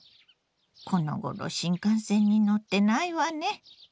このごろ新幹線に乗ってないわね。